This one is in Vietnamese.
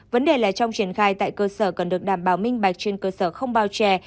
vấn đề là trong triển khai tại cơ sở cần được đảm bảo minh bạch trên cơ sở không bao trè